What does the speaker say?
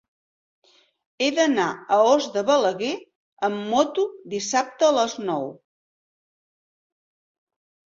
He d'anar a Os de Balaguer amb moto dissabte a les nou.